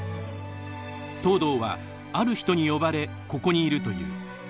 東堂は“ある人”に呼ばれここにいるという。